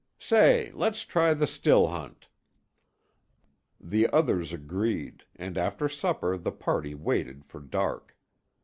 Say, let's try the still hunt!" The others agreed and after supper the party waited for dark.